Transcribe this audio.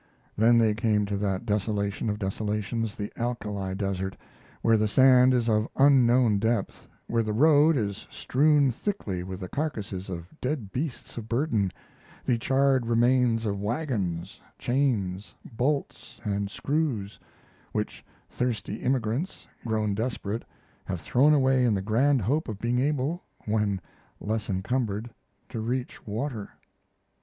Then they came to that desolation of desolations, the Alkali Desert, where the sand is of unknown depth, where the road is strewn thickly with the carcasses of dead beasts of burden, the charred remains of wagons, chains, bolts, and screws, which thirsty emigrants, grown desperate, have thrown away in the grand hope of being able, when less encumbered, to reach water.